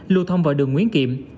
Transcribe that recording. lưu thông vào đường nguyễn kiệm